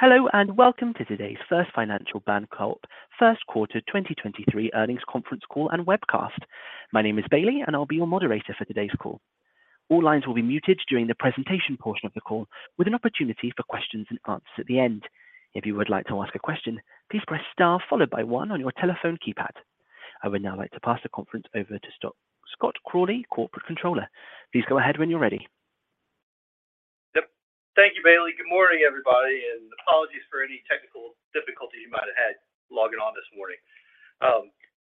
Hello, and welcome to today's First Financial Bancorp first quarter 2023 earnings conference call and webcast. My name is Bailey, and I'll be your moderator for today's call. All lines will be muted during the presentation portion of the call with an opportunity for question-and-answer session at the end. If you would like to ask a question, please press star followed by one on your telephone keypad. I would now like to pass the conference over to Scott Crawley, Corporate Controller. Please go ahead when you're ready. Yep. Thank you, Bailey. Good morning, everybody, and apologies for any technical difficulties you might have had logging on this morning.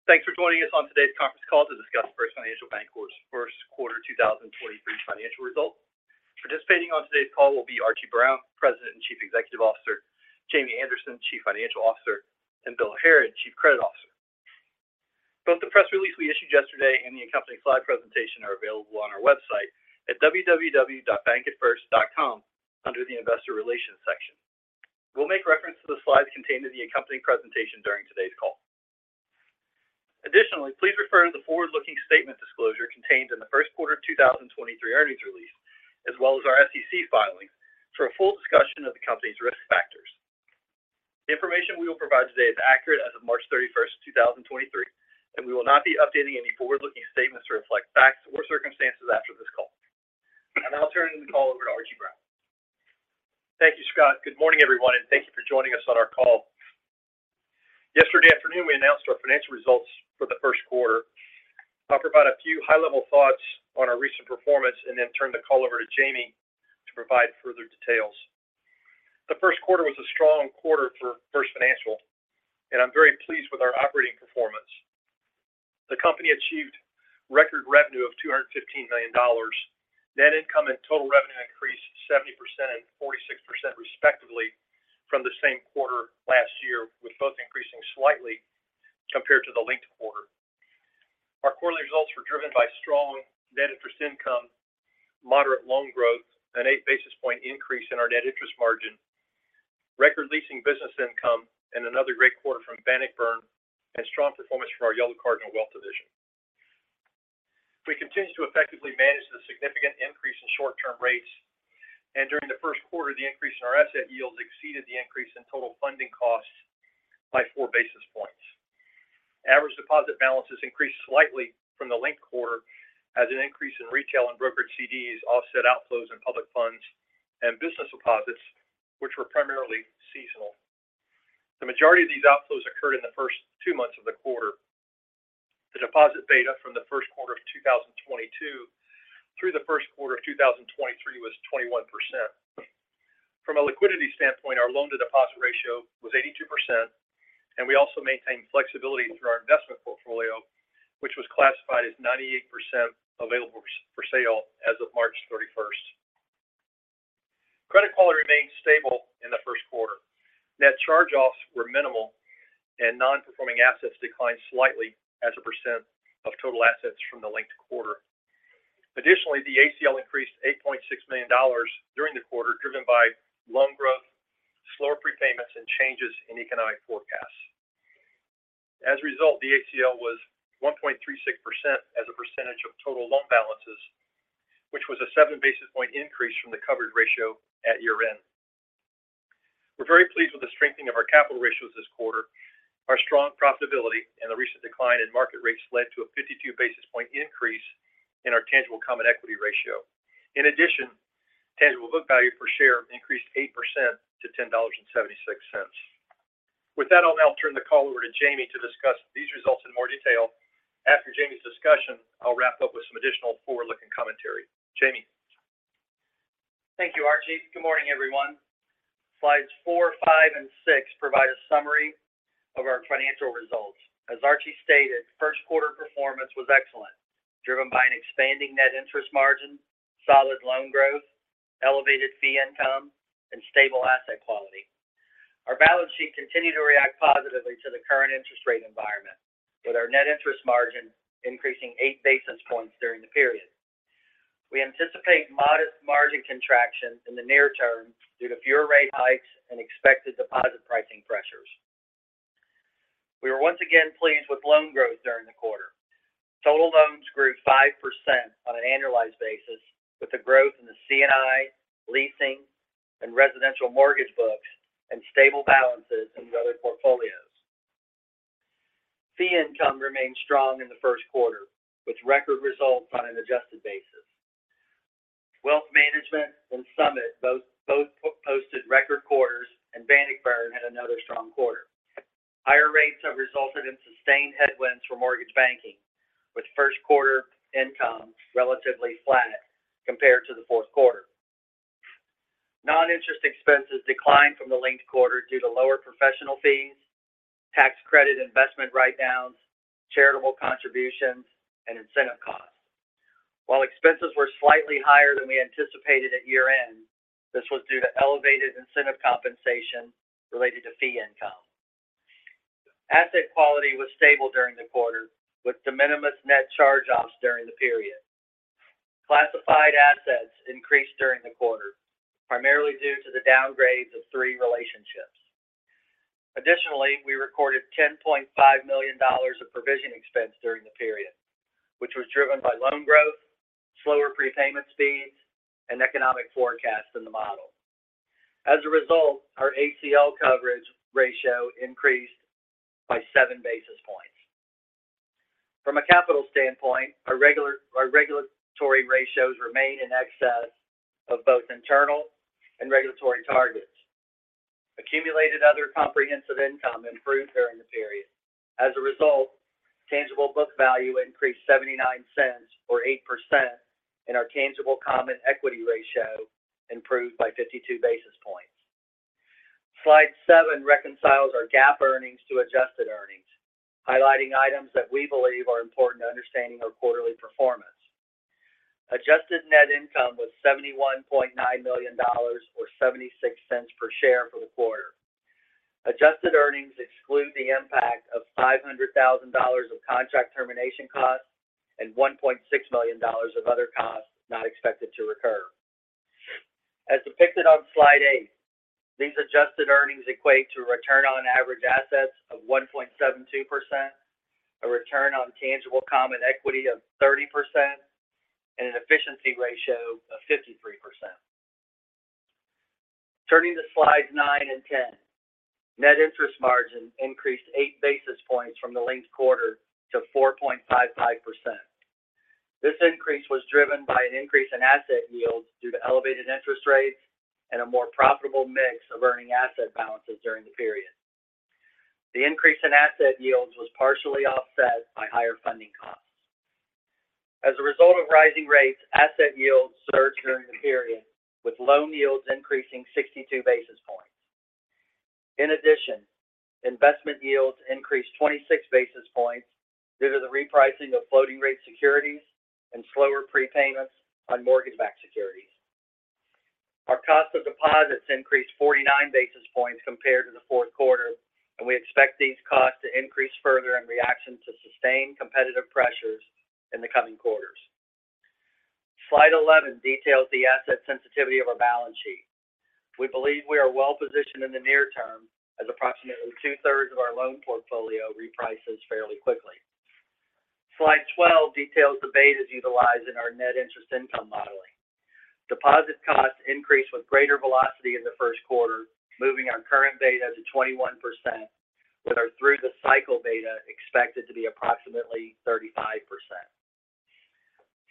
Thanks for joining us on today's conference call to discuss First Financial Bancorp's first quarter 2023 financial results. Participating on today's call will be Archie Brown, President and Chief Executive Officer, Jamie Anderson, Chief Financial Officer, and Bill Harrod, Chief Credit Officer. Both the press release we issued yesterday and the accompanying slide presentation are available on our website at www.bankatfirst.com under the investor relations section. We'll make reference to the slides contained in the accompanying presentation during today's call. Additionally, please refer to the forward-looking statement disclosure contained in the first quarter of 2023 earnings release, as well as our SEC filings for a full discussion of the company's risk factors. The information we will provide today is accurate as of March 31st, 2023. We will not be updating any forward-looking statements to reflect facts or circumstances after this call. I'll now turn the call over to Archie Brown. Thank you, Scott. Good morning, everyone. Thank you for joining us on our call. Yesterday afternoon, we announced our financial results for the first quarter. I'll provide a few high-level thoughts on our recent performance then turn the call over to Jamie to provide further details. The first quarter was a strong quarter for First Financial. I'm very pleased with our operating performance. The company achieved record revenue of $215 million. Net income and total revenue increased 70% and 46%, respectively, from the same quarter last year, with both increasing slightly compared to the linked quarter. Our quarterly results were driven by strong net interest income, moderate loan growth, an 8 basis point increase in our net interest margin, record leasing business income, and another great quarter from Bannockburn, and strong performance from our Yellow Cardinal Advisory Group. We continue to effectively manage the significant increase in short-term rates, during the first quarter, the increase in our asset yields exceeded the increase in total funding costs by 4 basis points. Average deposit balances increased slightly from the linked quarter as an increase in retail and brokered CDs offset outflows in public funds and business deposits, which were primarily seasonal. The majority of these outflows occurred in the first two months of the quarter. The deposit beta from the first quarter of 2022 through the first quarter of 2023 was 21%. From a liquidity standpoint, our loan-to-deposit ratio was 82%, we also maintained flexibility through our investment portfolio, which was classified as 98% available-for-sale as of March 31st. Credit quality remained stable in the first quarter. Net charge-offs were minimal. Non-performing assets declined slightly as a percentage of total assets from the linked quarter. Additionally, the ACL increased $8.6 million during the quarter, driven by loan growth, slower prepayments, and changes in economic forecasts. As a result, the ACL was 1.36% as a percentage of total loan balances, which was a seven basis point increase from the reserve ratio at year-end. We're very pleased with the strengthening of our capital ratios this quarter. Our strong profitability and the recent decline in market rates led to a 52 basis point increase in our tangible common equity ratio. In addition, tangible book value per share increased 8% to $10.76. With that, I'll now turn the call over to Jamie to discuss these results in more detail. After Jamie's discussion, I'll wrap up with some additional forward-looking commentary. Jamie? Thank you, Archie. Good morning, everyone. Slides four, five, and six provide a summary of our financial results. As Archie stated, first quarter performance was excellent, driven by an expanding net interest margin, solid loan growth, elevated fee income, and stable asset quality. Our balance sheet continued to react positively to the current interest rate environment, with our net interest margin increasing 8 basis points during the period. We anticipate modest margin contraction in the near term due to fewer rate hikes and expected deposit pricing pressures. We were once again pleased with loan growth during the quarter. Total loans grew 5% on an annualized basis, with the growth in the C&I, leasing, and residential mortgage books and stable balances in the other portfolios. Fee income remained strong in the first quarter, with record results on an adjusted basis. Wealth management and Summit both posted record quarters, and Bannockburn had another strong quarter. Higher rates have resulted in sustained headwinds for mortgage banking, with first quarter income relatively flat compared to the fourth quarter. Non-interest expenses declined from the linked quarter due to lower professional fees, tax credit investment write-downs, charitable contributions, and incentive costs. While expenses were slightly higher than we anticipated at year-end, this was due to elevated incentive compensation related to fee income. Asset quality was stable during the quarter, with de minimis net charge-offs during the period. Classified assets increased during the quarter, primarily due to the downgrades of three relationships. Additionally, we recorded $10.5 million of provision expense during the period, which was driven by loan growth, slower prepayment speeds, and economic forecasts in the model. As a result, our ACL coverage ratio increased by 7 basis points. From a capital standpoint, our regulatory ratios remain in excess of both internal and regulatory targets. Accumulated other comprehensive income improved during the period. As a result, tangible book value increased $0.79 or 8%, and our tangible common equity ratio improved by 52 basis points. Slide seven reconciles our GAAP earnings to adjusted earnings, highlighting items that we believe are important to understanding our quarterly performance. Adjusted net income was $71.9 million or $0.76 per share for the quarter. Adjusted earnings exclude the impact of $500,000 of contract termination costs and $1.6 million of other costs not expected to recur. As depicted on slide eight, these adjusted earnings equate to a return on average assets of 1.72%, a return on tangible common equity of 30%, and an efficiency ratio of 53%. Turning to slides nine and 10, net interest margin increased 8 basis points from the linked quarter to 4.55%. This increase was driven by an increase in asset yields due to elevated interest rates and a more profitable mix of earning asset balances during the period. The increase in asset yields was partially offset by higher funding costs. As a result of rising rates, asset yields surged during the period, with loan yields increasing 62 basis points. In addition, investment yields increased 26 basis points due to the repricing of floating rate securities and slower prepayments on mortgage-backed securities. Our cost of deposits increased 49 basis points compared to the fourth quarter, and we expect these costs to increase further in reaction to sustained competitive pressures in the coming quarters. Slide 11 details the asset sensitivity of our balance sheet. We believe we are well-positioned in the near term as approximately two-thirds of our loan portfolio reprices fairly quickly. Slide 12 details the deposit betas utilized in our net interest income modeling. Deposit costs increased with greater velocity in the first quarter, moving our current beta to 21%, with our through the cycle beta expected to be approximately 35%.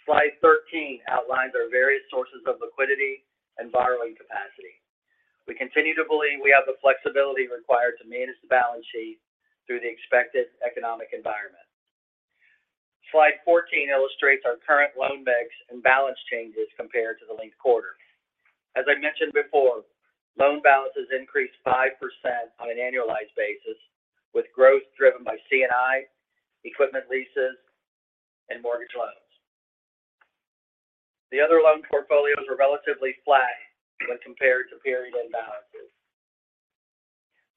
Slide 13 outlines our various sources of liquidity and borrowing capacity. We continue to believe we have the flexibility required to manage the balance sheet through the expected economic environment. Slide 14 illustrates our current loan mix and balance changes compared to the linked quarter. As I mentioned before, loan balances increased 5% on an annualized basis, with growth driven by C&I, equipment leases, and mortgage loans. The other loan portfolios were relatively flat when compared to period-end balances.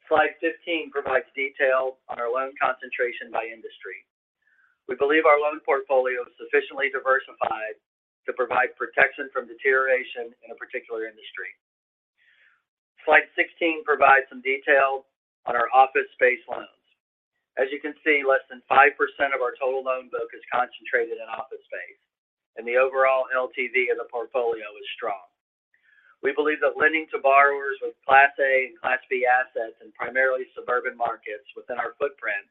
Slide 15 provides detail on our loan concentration by industry. We believe our loan portfolio is sufficiently diversified to provide protection from deterioration in a particular industry. Slide 16 provides some detail on our office space loans. As you can see, less than 5% of our total loan book is concentrated in office space, and the overall LTV of the portfolio is strong. We believe that lending to borrowers with Class A and Class B assets in primarily suburban markets within our footprint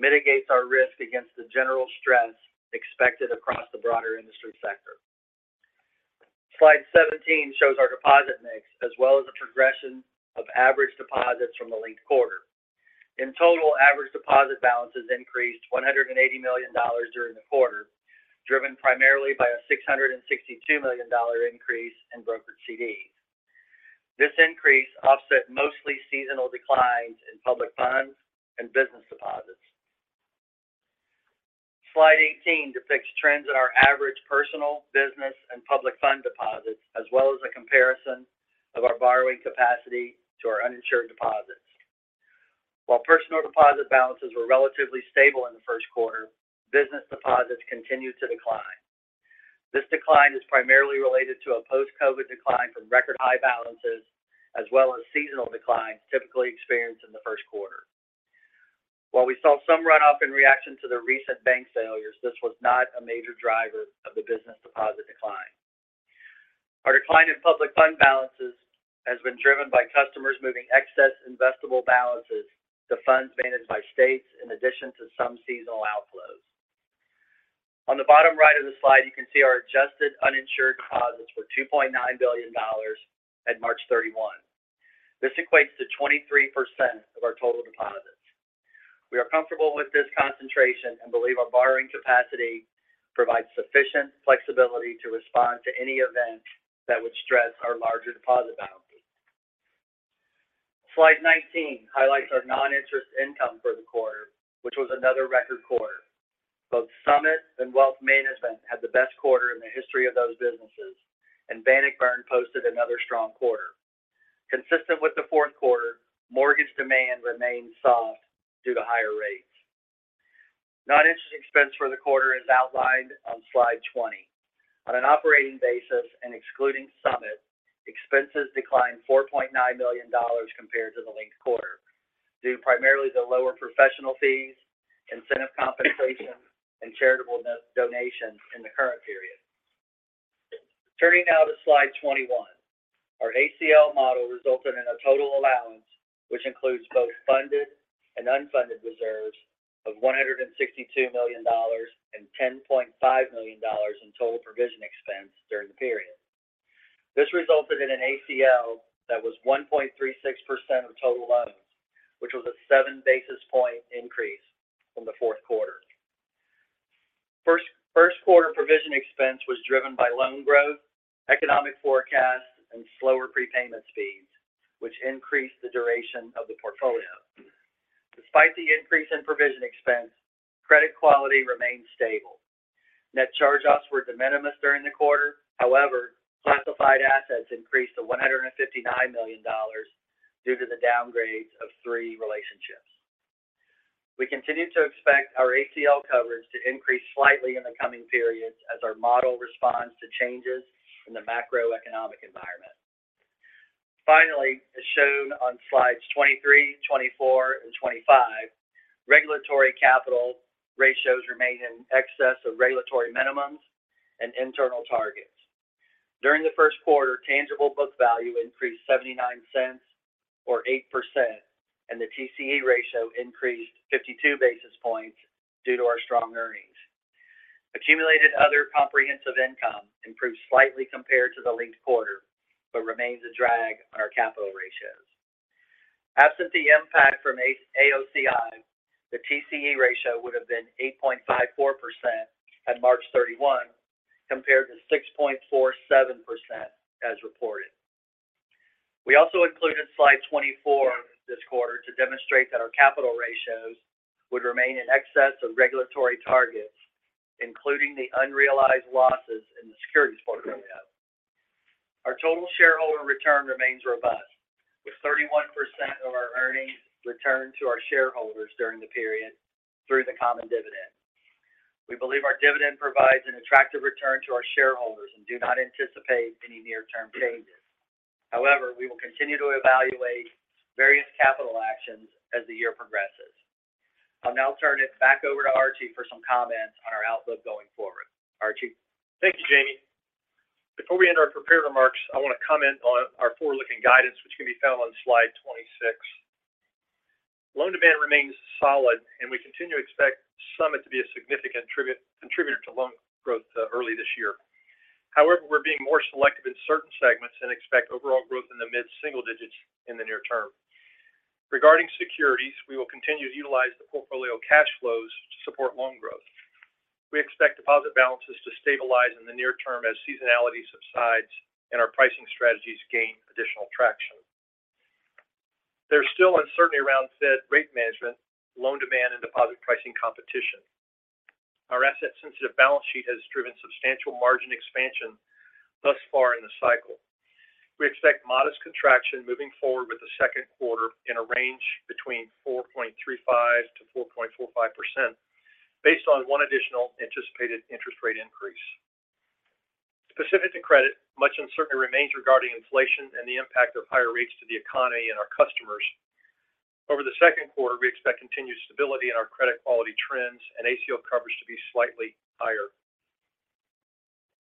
mitigates our risk against the general stress expected across the broader industry sector. Slide 17 shows our deposit mix as well as the progression of average deposits from the linked quarter. In total, average deposit balances increased $180 million during the quarter, driven primarily by a $662 million increase in brokered CDs. This increase offset mostly seasonal declines in public funds and business deposits. Slide 18 depicts trends in our average personal, business, and public fund deposits, as well as a comparison of our borrowing capacity to our uninsured deposits. While personal deposit balances were relatively stable in the first quarter, business deposits continued to decline. This decline is primarily related to a post-COVID decline from record high balances as well as seasonal declines typically experienced in the first quarter. While we saw some runoff in reaction to the recent bank failures, this was not a major driver of the business deposit decline. Our decline in public fund balances has been driven by customers moving excess investable balances to funds managed by states in addition to some seasonal outflows. On the bottom right of the slide, you can see our adjusted uninsured deposits were $2.9 billion at March 31. This equates to 23% of our total deposits. We are comfortable with this concentration and believe our borrowing capacity provides sufficient flexibility to respond to any event that would stress our larger deposit balances. Slide 19 highlights our non-interest income for the quarter, which was another record quarter. Both Summit and Wealth Management had the best quarter in the history of those businesses, and Bannockburn posted another strong quarter. Consistent with the fourth quarter, mortgage demand remained soft due to higher rates. Non-interest expense for the quarter is outlined on slide 20. Excluding Summit, expenses declined $4.9 million compared to the linked quarter due primarily to lower professional fees, incentive compensation, and charitable donations in the current period. Turning now to slide 21. Our ACL model resulted in a total allowance, which includes both funded and unfunded reserves of $162 million and $10.5 million in total provision expense during the period. This resulted in an ACL that was 1.36% of total loans, which was a 7 basis point increase from the fourth quarter. First quarter provision expense was driven by loan growth, economic forecasts, and slower prepayment speeds, which increased the duration of the portfolio. Despite the increase in provision expense, credit quality remained stable. Net charge-offs were de minimis during the quarter. However, classified assets increased to $159 million due to the downgrades of three relationships. We continue to expect our ACL coverage to increase slightly in the coming periods as our model responds to changes in the macroeconomic environment. Finally, as shown on slides 23, 24, and 25, regulatory capital ratios remain in excess of regulatory minimums and internal targets. During the first quarter, tangible book value increased $0.79 or 8%, and the TCE ratio increased 52 basis points due to our strong earnings. Accumulated other comprehensive income improved slightly compared to the linked quarter but remains a drag on our capital ratios. Absent the impact from AOCI, the TCE ratio would have been 8.54% at March 31 compared to 6.47% as reported. We also included slide 24 this quarter to demonstrate that our capital ratios would remain in excess of regulatory targets, including the unrealized losses in the securities portfolio. Our total shareholder return remains robust, with 31% of our earnings returned to our shareholders during the period through the common dividend. We believe our dividend provides an attractive return to our shareholders and do not anticipate any near-term changes. However, we will continue to evaluate various capital actions as the year progresses. I'll now turn it back over to Archie for some comments on our outlook going forward. Archie? Thank you, Jamie. Before we end our prepared remarks, I want to comment on our forward-looking guidance, which can be found on slide 26. Loan demand remains solid, and we continue to expect Summit to be a significant contributor to loan growth early this year. We're being more selective in certain segments and expect overall growth in the mid-single digits in the near term. Regarding securities, we will continue to utilize the portfolio cash flows to support loan growth. We expect deposit balances to stabilize in the near term as seasonality subsides and our pricing strategies gain additional traction. There's still uncertainty around Fed rate management, loan demand, and deposit pricing competition. Our asset-sensitive balance sheet has driven substantial margin expansion thus far in the cycle. We expect modest contraction moving forward with the second quarter in a range between 4.35%-4.45% based on one additional anticipated interest rate increase. Specific to credit, much uncertainty remains regarding inflation and the impact of higher rates to the economy and our customers. Over the second quarter, we expect continued stability in our credit quality trends and ACL coverage to be slightly higher.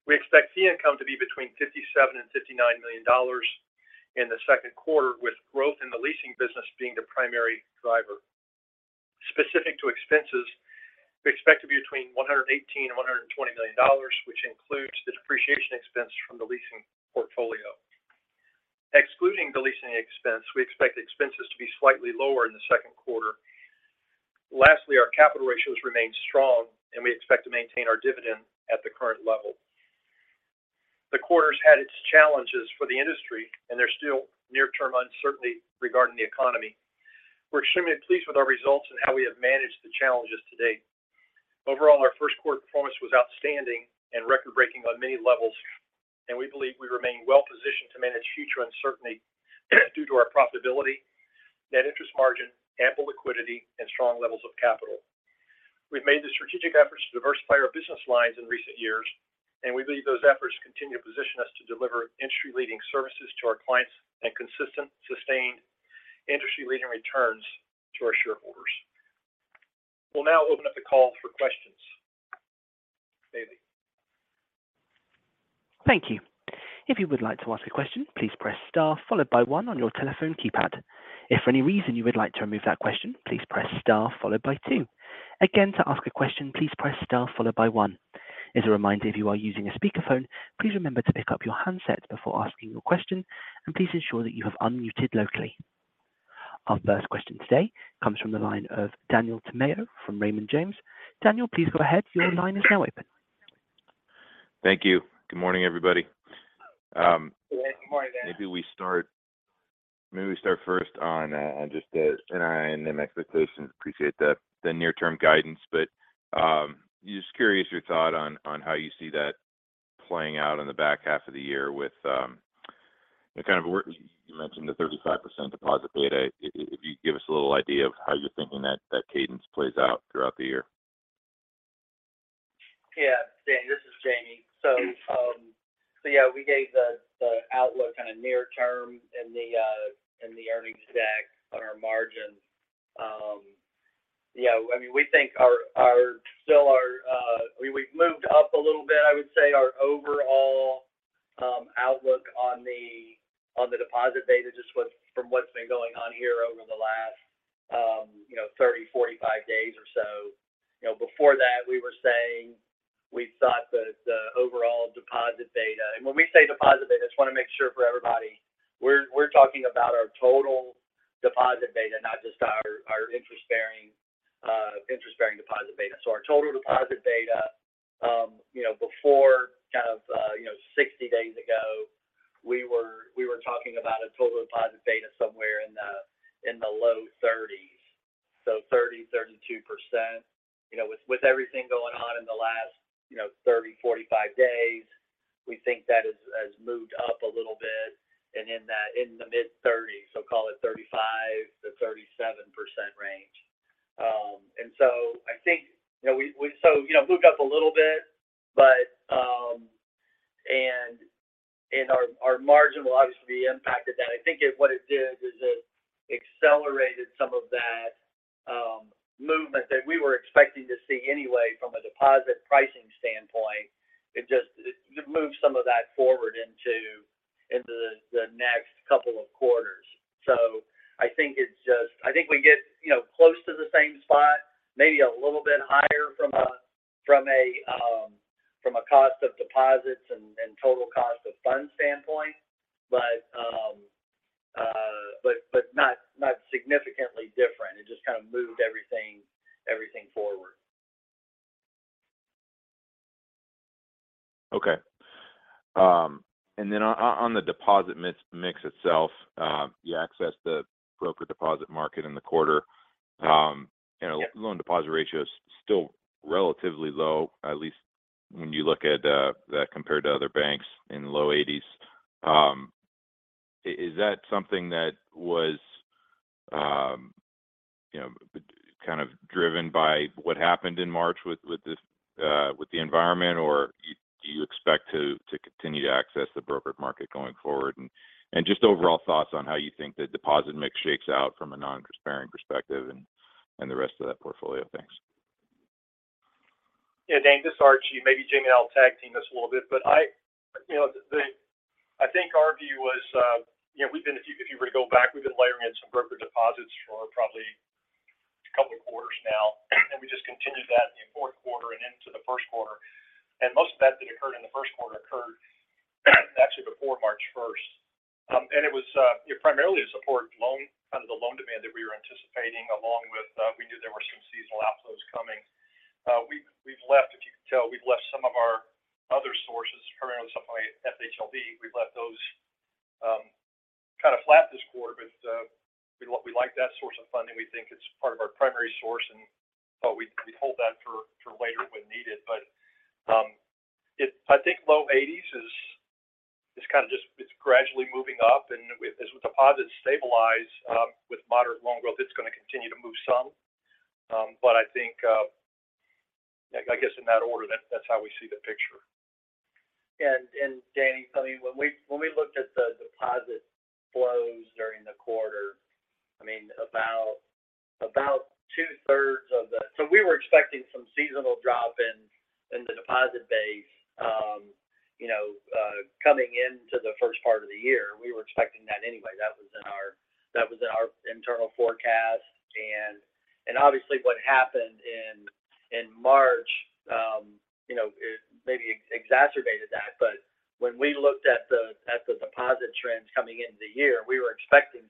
We expect fee income to be between $57 million and $59 million in the second quarter, with growth in the leasing business being the primary driver. Specific to expenses, we expect to be between $118 million and $120 million, which includes the depreciation expense from the leasing portfolio. Excluding the leasing expense, we expect expenses to be slightly lower in the second quarter. Lastly, our capital ratios remain strong, and we expect to maintain our dividend at the current level. The quarter's had its challenges for the industry, and there's still near-term uncertainty regarding the economy. We're extremely pleased with our results and how we have managed the challenges to date. Overall, our first quarter performance was outstanding and record-breaking on many levels, and we believe we remain well positioned to manage future uncertainty due to our profitability, net interest margin, ample liquidity, and strong levels of capital. We've made the strategic efforts to diversify our business lines in recent years, and we believe those efforts continue to position us to deliver industry-leading services to our clients and consistent, sustained industry-leading returns to our shareholders. We'll now open up the call for questions. Bailey. Thank you. If you would like to ask a question, please press star followed by one on your telephone keypad. If for any reason you would like to remove that question, please press star followed by two. Again, to ask a question, please press star followed by one. As a reminder, if you are using a speakerphone, please remember to pick up your handset before asking your question, and please ensure that you have unmuted locally. Our first question today comes from the line of Daniel Tamayo from Raymond James. Daniel, please go ahead. Your line is now open. Thank you. Good morning, everybody. Good morning, Dan. Maybe we start first on just the NII and NIM expectations. Appreciate the near-term guidance. Just curious your thought on how you see that playing out in the back half of the year with? You mentioned the 35% deposit beta. If you could give us a little idea of how you're thinking that cadence plays out throughout the year? Yeah. Daniel, this is James. Yeah, we gave the outlook kind of near term in the earnings deck on our margins. You know, I mean, we think our. Still our, we've moved up a little bit, I would say our overall outlook on the deposit beta just with from what's been going on here over the last, you know, 30, 45 days or so. You know, before that, we were saying we thought that the overall deposit beta. When we say deposit beta, just wanna make sure for everybody, we're talking about our total deposit beta, not just our interest-bearing deposit beta. Our total deposit beta, you know, before kind of, you know, 60 days ago, we were talking about a total deposit beta somewhere in the low 30% range, about 30%-32%. You know, with everything going on in the last, you know, 30-45 days, we think that has moved up a little bit and in the mid-30% range. Call it 35%-37% range. I think, you know, moved up a little bit, but our margin will obviously be impacted that. I think what it did is it accelerated some of that movement that we were expecting to see anyway from a deposit pricing standpoint. It just, it moved some of that forward into the next couple of quarters. I think we get close to the same spot, maybe a little bit higher from a cost of deposits and total cost of funds standpoint. Not significantly different. It just kind of moved everything forward. Okay. Then on the deposit mix itself, you accessed the broker deposit market in the quarter. Loan-to-deposit ratio is still relatively low, at least when you look at that compared to other banks in low 80% range. Is that something that was, you know, kind of driven by what happened in March with this environment, or do you expect to continue to access the brokered market going forward? Just overall thoughts on how you think the deposit mix shakes out from a non-interest-bearing perspective and the rest of that portfolio. Thanks. Yeah. Dan, this is Archie. Maybe Jamie and I will tag team this a little bit. I, you know, I think our view was, you know, if you were to go back, we've been layering in some brokered deposits for probably two quarters now. We just continued that in the fourth quarter and into the first quarter. Most of that that occurred in the first quarter occurred actually before March 1st. It was, you know, primarily to support kind of the loan demand that we were anticipating, along with, we knew there were some seasonal outflows coming. We've left, if you can tell, we've left some of our other sources, primarily something like FHLB, we've left those kind of flat this quarter. We like that source of funding. We think it's part of our primary source, and, well, we hold that for later when needed. I think low 80% range is kind of, it's gradually moving up. As deposits stabilize, with moderate loan growth, it's going to continue to move some. I think, I guess in that order, that's how we see the picture. Danny, I mean, when we looked at the deposit flows during the quarter, I mean, about. We were expecting some seasonal drop in the deposit base, you know, coming into the first part of the year. We were expecting that anyway. That was in our internal forecast. Obviously what happened in March, you know, it maybe exacerbated that. When we looked at the deposit trends coming into the year, we were expecting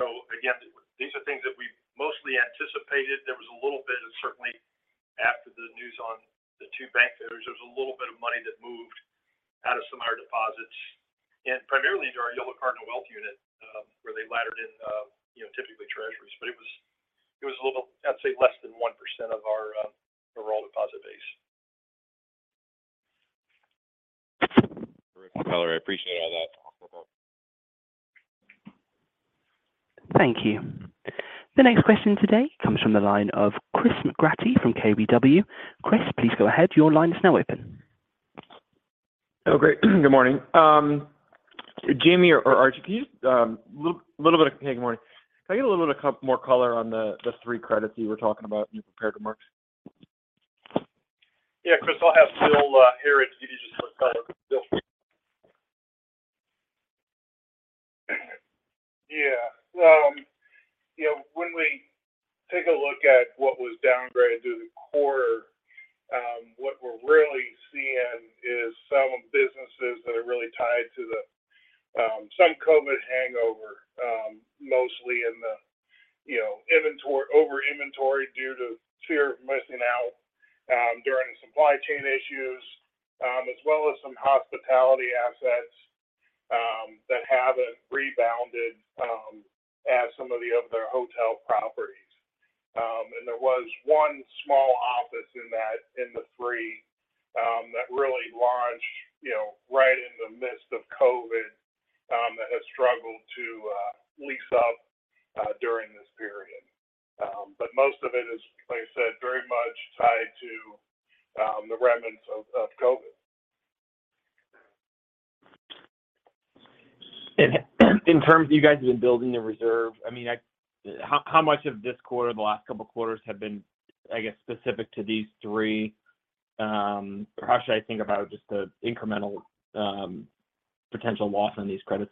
Again, these are things that we mostly anticipated. There was a little bit of certainly after the news on the two bank failures, there was a little bit of money that moved out of some of our deposits and primarily into our Yellow Cardinal Advisory Group, where they laddered in, you know, typically treasuries. It was a little, I'd say less than 1% of our overall deposit base. Terrific. Archie, I appreciate all that. Thank you. The next question today comes from the line of Chris McGratty from KBW. Chris, please go ahead. Your line is now open. Oh, great. Good morning. Jamie or Archie, can you just, hey, good morning. Can I get a little bit of more color on the three credits you were talking about in your prepared remarks? Yeah, Chris, I'll have Bill here give you just a quick color. Bill. Yeah. You know, when we take a look at what was downgraded through the quarter, what we're really seeing is some businesses that are really tied to the, some COVID hangover, mostly in the, you know, over-inventory due to fear of missing out, during supply chain issues, as well as some hospitality assets, that haven't rebounded, as some of the other hotel properties. There was one small office in the three, that really launched, you know, right in the midst of COVID, that has struggled to lease up during this period. Most of it is, like I said, very much tied to the remnants of COVID. In terms of you guys have been building reserves, I mean, how much of this quarter, the last couple of quarters have been, I guess, specific to these three? How should I think about just the incremental, potential loss on these credits?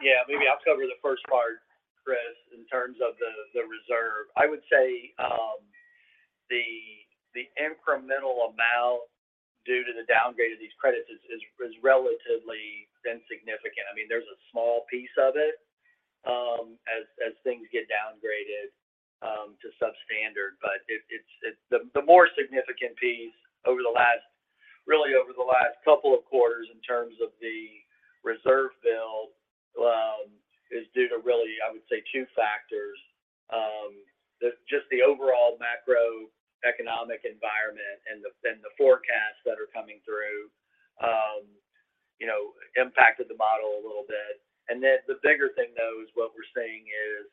Yeah. Maybe I'll cover the first part, Chris, in terms of the reserve. I would say the incremental amount due to the downgrade of these credits is relatively insignificant. I mean, there's a small piece of it as things get downgraded to substandard. The more significant piece really over the last couple of quarters in terms of the reserve build is due to really, I would say two factors. Just the overall macroeconomic environment and then the forecasts that are coming through, you know, impacted the model a little bit. The bigger thing though is what we're seeing is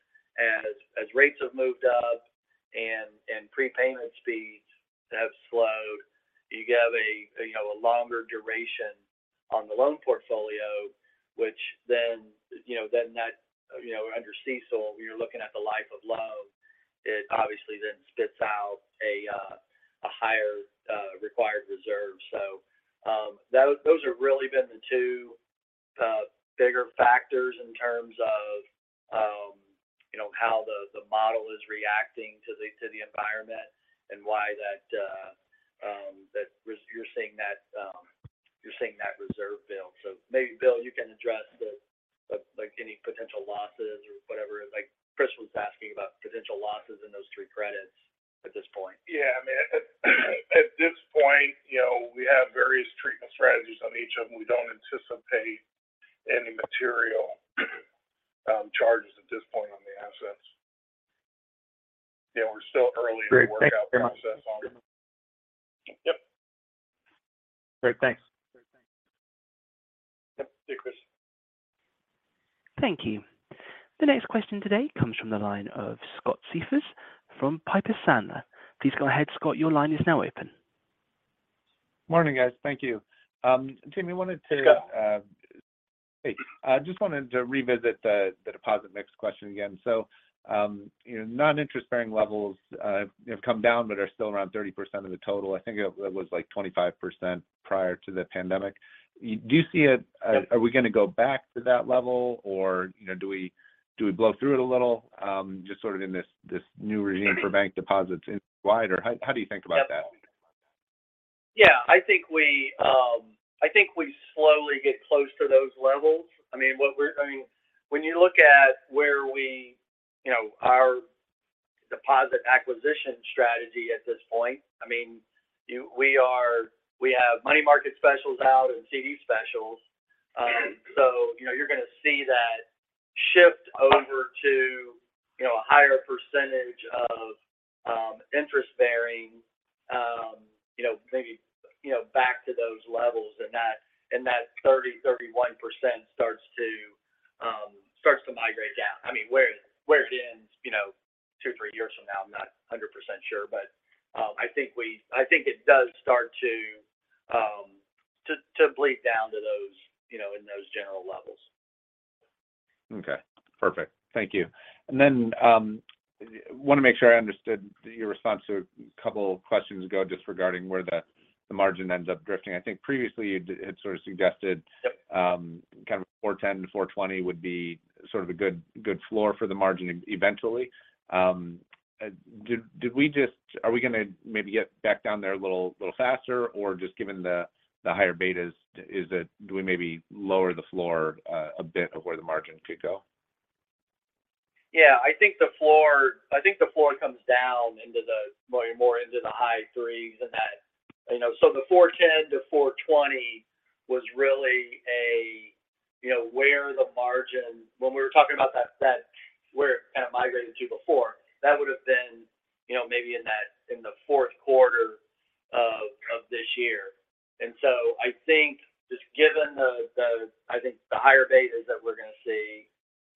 as rates have moved up and prepayment speeds have slowed, you have a, you know, a longer duration on the loan portfolio, which then that, you know, under CECL, when you're looking at the life of the loan, it obviously then spits out a higher required reserve. Those have really been the two bigger factors in terms of, you know, how the model is reacting to the environment and why that you're seeing that reserve build. Maybe Bill, you can address the, like, any potential losses or whatever. Like, Chris was asking about potential losses in those three credits at this point. I mean, at this point, you know, we have various treatment strategies on each of them. We don't anticipate any material charges at this point on the assets. You know, we're still- Great. Thanks very much. -in the workout process on them. Yep. Great. Thanks. Yep. See you, Chris. Thank you. The next question today comes from the line of Scott Siefers from Piper Sandler. Please go ahead, Scott. Your line is now open. Morning, guys. Thank you. Jamie, Hi, Scott. Hey. I just wanted to revisit the deposit mix question again. Your non-interest-bearing levels have come down but are still around 30% of the total. I think it was like 25% prior to the pandemic. Do you see, are we going to go back to that level or, you know, do we blow through it a little, just sort of in this new regime for bank deposits wider? How do you think about that? Yeah. I think we slowly get close to those levels. I mean, when you look at where we, you know, our deposit acquisition strategy at this point, I mean, we have money market specials out and CD specials. You know, you're going to see that shift over to, you know, a higher percentage of interest bearing, you know, maybe, you know, back to those levels and that 30%-31% starts to migrate down. I mean, where it ends, you know, two to three years from now, I'm not 100% sure. I think it does start to bleed down to those, you know, in those general levels. Okay, perfect. Thank you. Wanna make sure I understood your response to a couple questions ago just regarding where the margin ends up drifting. I think previously you'd had sort of kind of 4.10%-4.20% would be sort of a good floor for the margin eventually. Are we gonna maybe get back down there a little faster? Just given the higher betas, do we maybe lower the floor a bit of where the margin could go? Yeah, I think the floor, I think the floor comes down into the high-3% range and that. You know, the 4.10%-4.20% was really a, you know, where the margin. When we were talking about that spread, where it kind of migrated to before, that would have been, you know, maybe in that, in the fourth quarter of this year. I think just given the higher betas that we're gonna see,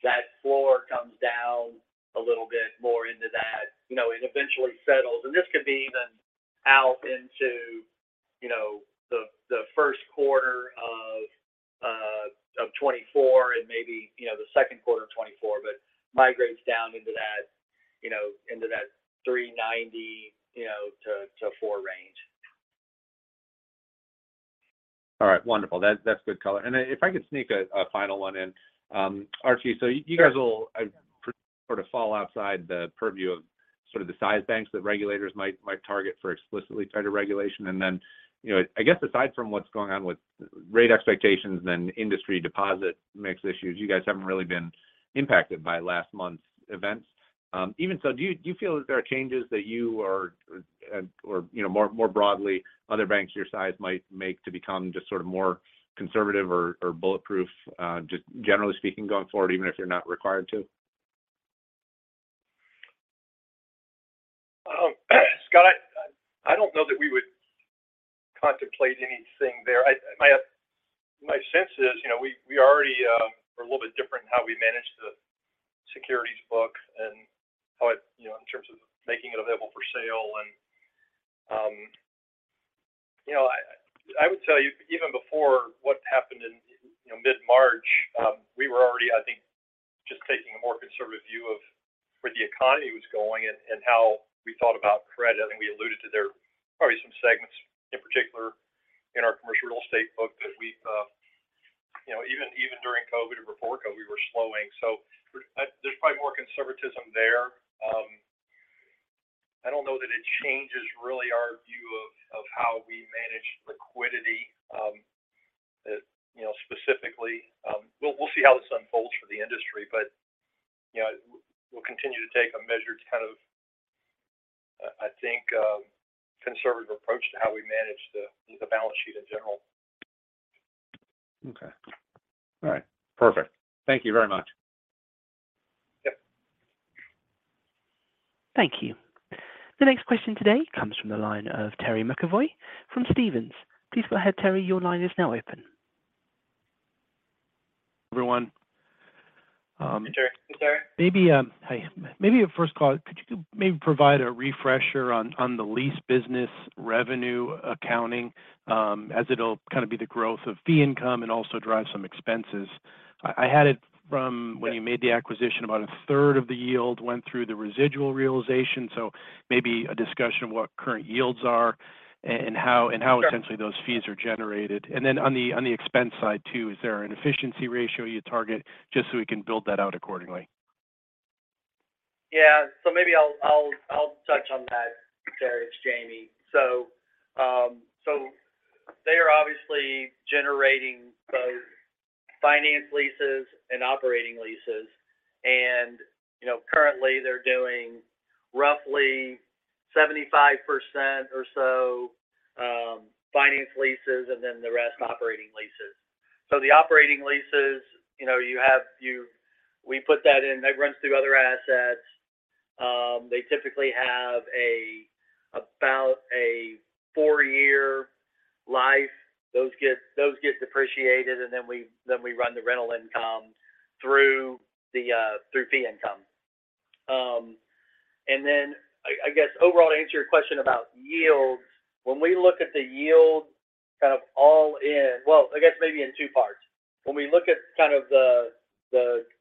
that floor comes down a little bit more into that. You know, it eventually settles. This could be even out into, you know, the first quarter of 2024 and maybe, you know, the second quarter of 2024. Migrates down into that, you know, into that 3.90%-4.00% range. All right. Wonderful. That's good color. If I could sneak a final one in. Archie, you guys sort of fall outside the purview of sort of the size banks that regulators might target for explicitly tighter regulation. You know, I guess aside from what's going on with rate expectations, then industry deposit mix issues, you guys haven't really been impacted by last month's events. Even so, do you feel that there are changes that you are, or, you know, more broadly other banks your size might make to become just sort of more conservative or bulletproof, just generally speaking going forward, even if you're not required to? Scott, I don't know that we would contemplate anything there. My sense is, you know, we already are a little bit different in how we manage the securities book and how it, you know, in terms of making it available-for-Sale. I would tell you even before what happened in, you know, mid-March, we were already, I think, just taking a more conservative view of where the economy was going and how we thought about credit. I think we alluded to there probably some segments in particular in our commercial real estate book that we, you know, even during COVID and before COVID, we were slowing. There's probably more conservatism there. I don't know that it changes really our view of how we manage liquidity, you know, specifically. We'll see how this unfolds for the industry. You know, we'll continue to take a measured kind of, I think, conservative approach to how we manage the balance sheet in general. Okay. All right. Perfect. Thank you very much. Yep. Thank you. The next question today comes from the line of Terry McEvoy from Stephens. Please go ahead, Terry. Your line is now open. Hi, everyone. Hey, Terry. Maybe, hey. Maybe a first call. Could you maybe provide a refresher on the lease business revenue accounting? As it'll kind of be the growth of fee income and also drive some expenses. I had it from when you made the acquisition, about 1/3 of the yield went through the residual realization. Maybe a discussion of what current yields are and how essentially those fees are generated. Then on the expense side too, is there an efficiency ratio you target? Just so we can build that out accordingly. Maybe I'll touch on that, Terry. It's Jamie. They are obviously generating both finance leases and operating leases. You know, currently they're doing roughly 75% or so, finance leases, and then the rest operating leases. The operating leases, you know, we put that in. That runs through other assets. They typically have about a four-year life. Those get depreciated, then we run the rental income through the fee income. I guess overall to answer your question about yields. When we look at the yield kind of all in. Well, I guess maybe in two parts. When we look at kind of the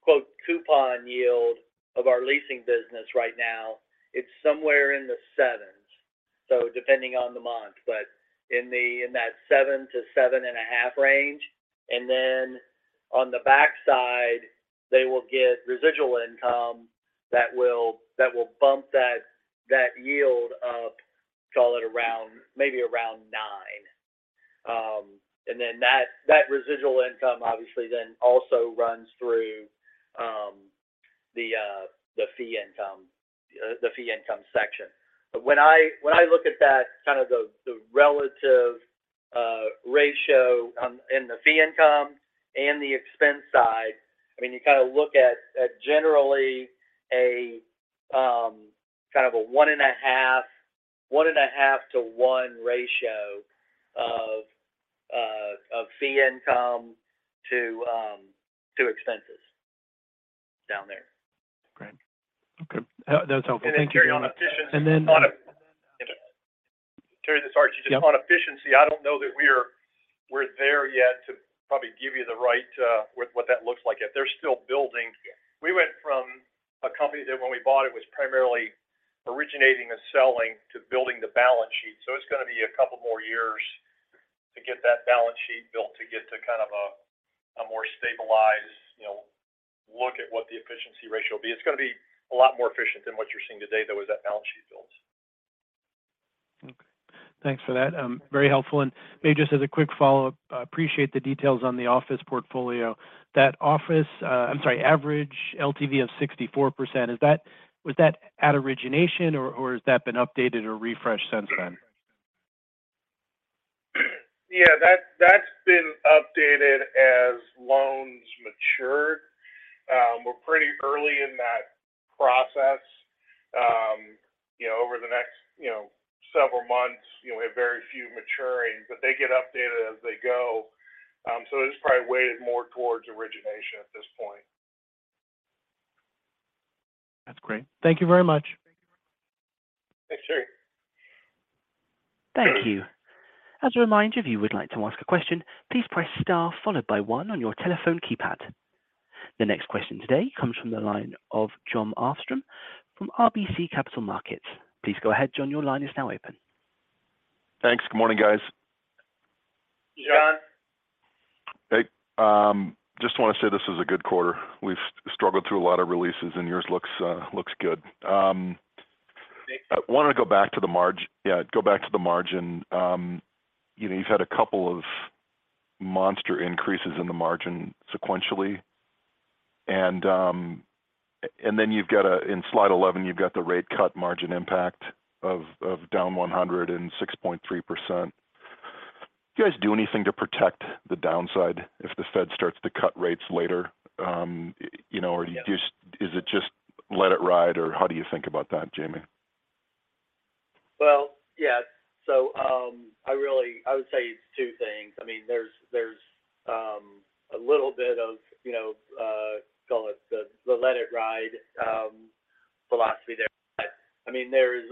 quote coupon yield of our leasing business right now, it's somewhere in the 7% range. Depending on the month, but in that 7%-7.5% range. Then on the backside, they will get residual income that will bump that yield up, call it around maybe 9%. Then that residual income obviously then also runs through the fee income section. When I look at that kind of the relative ratio in the fee income and the expense side, I mean, you kind of look at generally a kind of a 1.5x to 1x ratio of fee income to expenses down there. Great. Okay. That's helpful. Thank you. And to carry on efficency- And then- Sorry, just on efficiency, I don't know that we're there yet to probably give you the right with what that looks like yet. They're still building. We went from a company that when we bought it was primarily originating and selling to building the balance sheet. It's gonna be a couple more years to get that balance sheet built to get to kind of a more stabilized, you know, look at what the efficiency ratio will be. It's gonna be a lot more efficient than what you're seeing today, though, as that balance sheet builds. Okay. Thanks for that. very helpful. Maybe just as a quick follow-up, appreciate the details on the office portfolio. I'm sorry, average LTV of 64%, was that at origination or has that been updated or refreshed since then? Yeah. That's been updated as loans mature. We're pretty early in that process. You know, over the next, you know, several months, you know, we have very few maturing, but they get updated as they go. It's probably weighted more towards origination at this point. That's great. Thank you very much. Thanks, Terry. Thank you. As a reminder, if you would like to ask a question, please press star followed by one on your telephone keypad. The next question today comes from the line of Jon Arfstrom from RBC Capital Markets. Please go ahead, Jon. Your line is now open. Thanks. Good morning, guys. Hey, Jon. Hey. just wanna say this is a good quarter. We've struggled through a lot of releases and yours looks good. Thanks. I wanted to go back to the margin. Yeah, go back to the margin. You know, you've had a couple of monster increases in the margin sequentially. Then you've got in slide 11, you've got the rate cut margin impact of down 106.3%. Do you guys do anything to protect the downside if the Fed starts to cut rates later? You know, or is it just let it ride, or how do you think about that, Jamie? Yeah. I would say it's two things. I mean, there's a little bit of, you know, call it the let it ride philosophy there. I mean, there's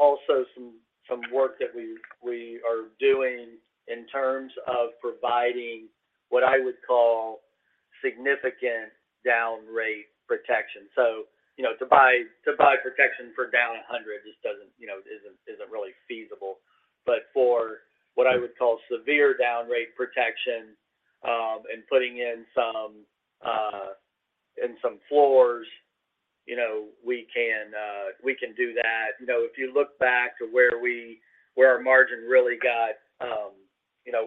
also some work that we are doing in terms of providing what I would call significant down rate protection. You know, to buy protection for down 100 basis points just doesn't, you know, isn't really feasible. For what I would call severe down rate protection, and putting in some, in some floors, you know, we can, we can do that. If you look back to where our margin really got,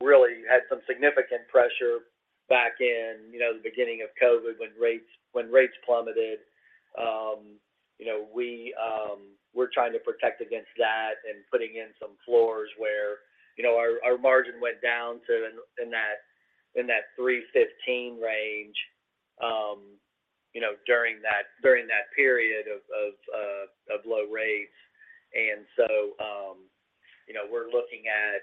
really had some significant pressure back in, you know, the beginning of COVID when rates plummeted. We're trying to protect against that and putting in some floors where, you know, our margin went down to that 3.15%, you know, during that, during that period of low rates. So, you know, we're looking at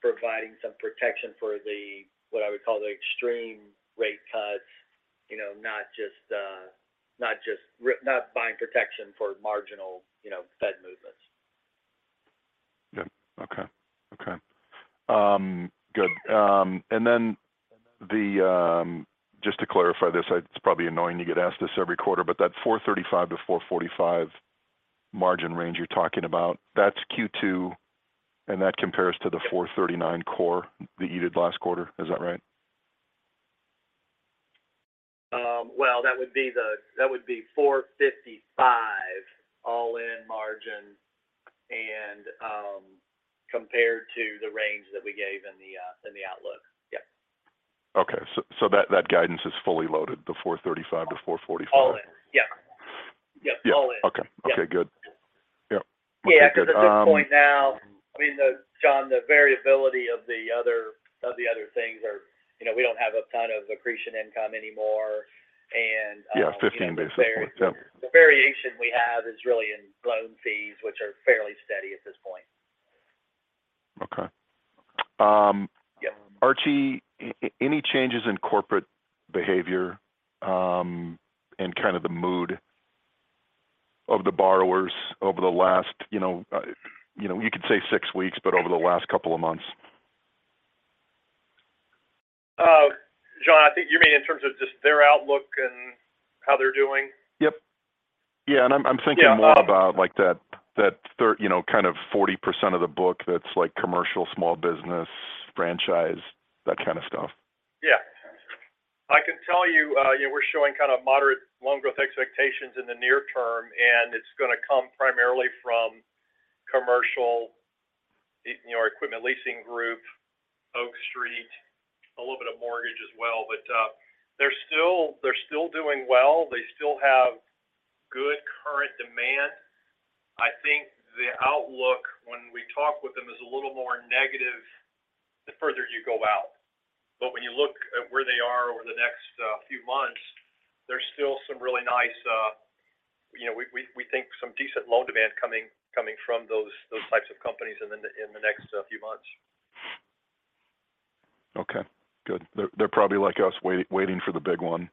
providing some protection for the, what I would call the extreme rate cuts, you know, not just Not buying protection for marginal, you know, Fed movements. Yeah. Okay. Okay. Good. Just to clarify this, it's probably annoying to get asked this every quarter, but that 4.35%-4.45% margin range you're talking about, that's Q2, and that compares to the 4.39% core that you did last quarter. Is that right? Well, that would be 4.55% all-in margin and compared to the range that we gave in the outlook. Yep. Okay. That guidance is fully loaded, the 4.35%-4.45%? All in. Yep. Yep. All in. Okay. Okay, good. Yep. We're good. Yeah. At this point now, I mean, Jon, the variability of the other, of the other things are, you know, we don't have a ton of accretion income anymore, and- Yeah, 15 basis point. Yep -the variation we have is really in loan fees, which are fairly steady at this point. Okay. Archie, any changes in corporate behavior, and kind of the mood of the borrowers over the last, you know, you know, you could say six weeks, but over the last couple of months? Jon, I think you mean in terms of just their outlook and how they're doing? Yep. Yeah, I'm thinking more about like that you know, kind of 40% of the book that's like commercial, small business, franchise, that kind of stuff. Yeah. I can tell you know, we're showing kind of moderate loan growth expectations in the near term. It's gonna come primarily from commercial, you know, our equipment leasing group, Oak Street Funding, a little bit of mortgage as well. They're still doing well. They still have good current demand. I think the outlook when we talk with them is a little more negative the further you go out. When you look at where they are over the next few months, there's still some really nice, you know, we think some decent loan demand coming from those types of companies in the next few months. Okay, good. They're probably like us waiting for the big one,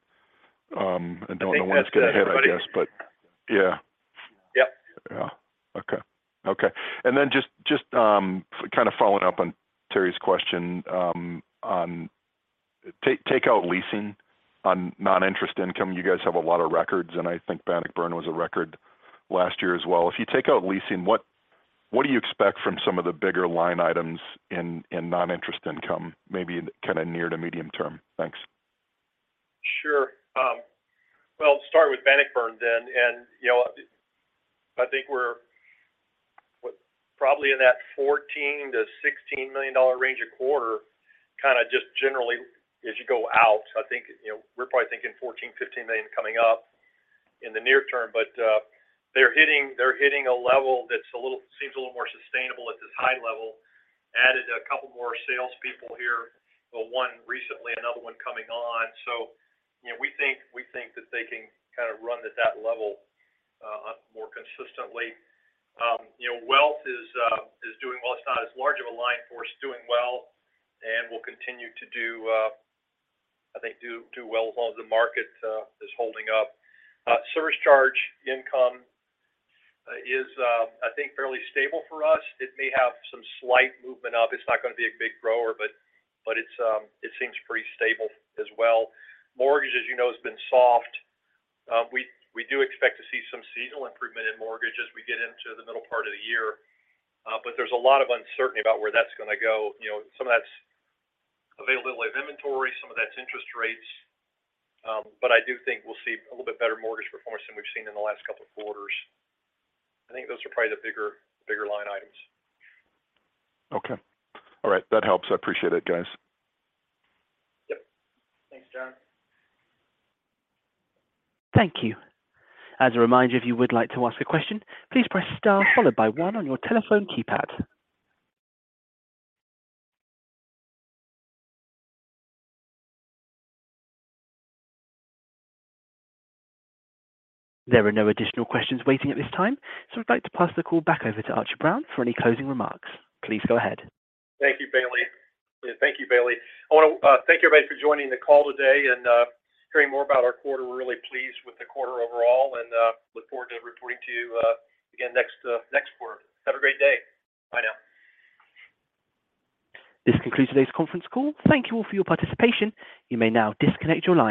and don't know when it's gonna hit, I guess. I think that's good, everybody. Yeah. Yeah. Okay. Okay. Just kind of following up on Terry's question on take out leasing on non-interest income. You guys have a lot of records, and I think Bannockburn was a record last year as well. If you take out leasing, what do you expect from some of the bigger line items in non-interest income, maybe kind of near to medium term? Thanks. Sure. Start with Bannockburn. You know, I think we're, what, probably in that $14 million-$16 million range a quarter, kind of just generally as you go out. I think, you know, we're probably thinking $14 million-$15 million coming up in the near term. They're hitting a level that seems a little more sustainable at this high level. Added a couple more sales people here, one recently, another one coming on. You know, we think that they can kind of run at that level more consistently. You know, wealth is doing well, it's not as large of a line for us, doing well and will continue to do, I think do well as long as the market is holding up. Service charge income is, I think fairly stable for us. It may have some slight movement up. It's not going to be a big grower, but it's, it seems pretty stable as well. Mortgage, as you know, has been soft. We do expect to see some seasonal improvement in mortgage as we get into the middle part of the year. There's a lot of uncertainty about where that's going to go. You know, some of that's availability of inventory, some of that's interest rates. I do think we'll see a little bit better mortgage performance than we've seen in the last couple of quarters. I think those are probably the bigger line items. Okay. All right. That helps. I appreciate it, guys. Yep. Thanks, Jon. Thank you. As a reminder, if you would like to ask a question, please press star followed by one on your telephone keypad. There are no additional questions waiting at this time, so I'd like to pass the call back over to Archie Brown for any closing remarks. Please go ahead. Thank you, Bailey. I want to thank everybody for joining the call today and hearing more about our quarter. We're really pleased with the quarter overall and look forward to reporting to you again next quarter. Have a great day. Bye now. This concludes today's conference call. Thank you all for your participation. You may now disconnect your line.